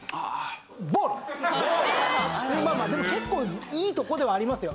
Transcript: まあまあでも結構いいとこではありますよ。